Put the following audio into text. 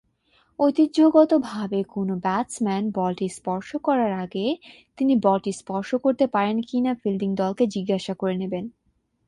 ঐতিহ্যগতভাবে কোনও ব্যাটসম্যান বলটি স্পর্শ করার আগে তিনি বলটি স্পর্শ করতে পারেন কিনা ফিল্ডিং দলকে জিজ্ঞাসা করে নেবেন।